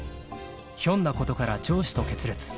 ［ひょんなことから上司と決裂］